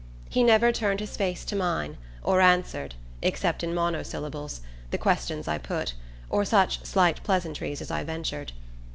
He never turned his face to mine, or answered, except in monosyllables, the questions I put, or such slight pleasantries as I ventured.